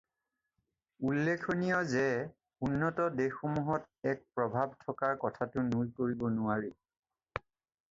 উল্লেখনীয় যে উন্নত দেশসমূহত এক প্ৰভাৱ থকাৰ কথাটো নুই কৰিব নোৱাৰি।